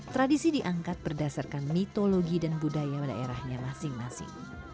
tradisi diangkat berdasarkan mitologi dan budaya pada eranya masing masing